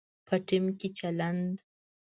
په ټیم کې چلند